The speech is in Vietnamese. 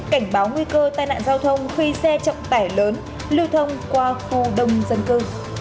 cảnh báo nguy cơ tai nạn giao thông khi xe trọng tải lớn lưu thông qua khu đông dân cư